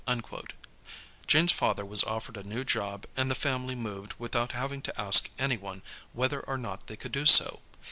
"' Jeans father was offered a new job and the family moved without having to ask anyone whether or not they could do so.